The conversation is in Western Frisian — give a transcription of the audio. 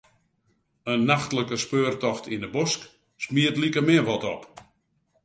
In nachtlike speurtocht yn 'e bosk smiet likemin wat op.